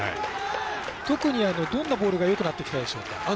特にどんなボールがよくなってきたでしょうか？